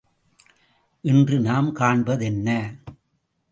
இன்று நாம் காண்பதென்ன?